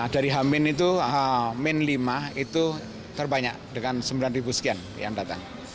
dari h min itu min lima itu terbanyak dengan sembilan sekian yang datang